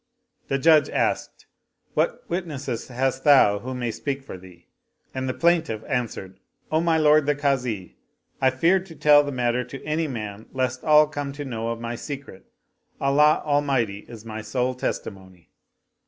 The Judge asked, " What witnesses hast thou who^ay speak for thee?" and the plaintiff an swered, " O my lord the Kazi, I feared to tell the matter to any man lest all come to know of my secret. Allah Almighty is my sole testimony.